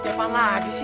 di depan lagi sih